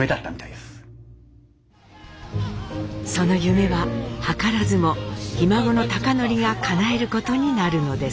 その夢は図らずもひ孫の貴教がかなえることになるのです。